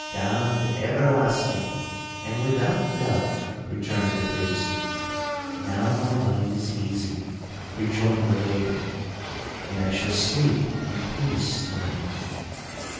'—'Damned everlasting, and without doubt,' returned the priest. 'Now my mind is easy,' rejoined the lady, 'and I shall sleep in peace to night.'